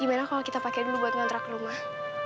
gimana kalau kita pakai dulu buat ngtrak rumah